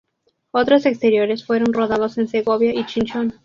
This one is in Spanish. Otros exteriores fueron rodados en Segovia y Chinchón.